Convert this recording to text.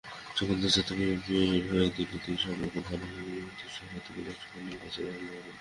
যোগেন্দ্র যাদব এএপির হয়ে দিল্লি-সংলগ্ন হরিয়ানার গুড়গাঁও শহর থেকে লোকসভা নির্বাচনে লড়বেন।